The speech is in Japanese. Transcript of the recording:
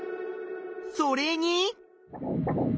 それに。